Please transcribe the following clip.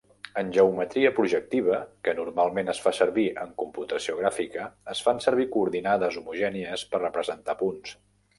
En geometria projectiva, que normalment es fa servir en computació gràfica, es fan servir coordinades homogènies per representar punts.